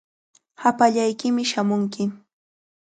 Hapallaykimi shamunki.